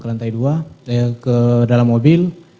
ke lantai dua ke dalam mobil